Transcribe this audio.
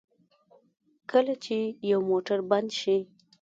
کله چې یو موټر بند شي.